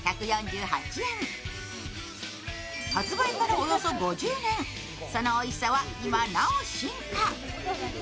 発売からおよそ５０年、そのおいしさは今なお進化。